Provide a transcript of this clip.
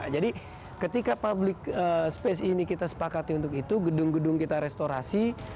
jadi ketika public space ini kita sepakat untuk itu gedung gedung kita restorasi